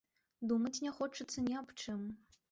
Думаць не хочацца ні аб чым.